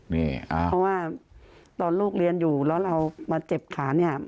เพราะว่าตอนลูกเรียนอยู่แล้วเรามาเจ็บขาเนี่ย